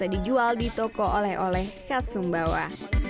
dijual di toko oleh oleh khas sumbawa